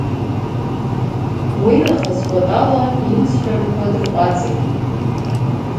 Уи нахыс Кәатала имцҳәарақәа дырҟәаҵит.